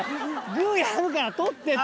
グッやるから採ってって。